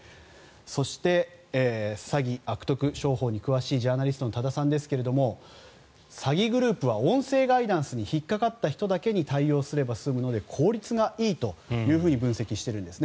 そして、詐欺・悪徳商法に詳しいジャーナリストの多田さんですけど詐欺グループは音声ガイダンスに引っかかった人だけに対応すれば済むので効率がいいと分析しているんです。